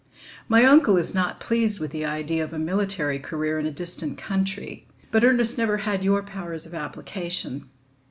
My uncle is not pleased with the idea of a military career in a distant country, but Ernest never had your powers of application.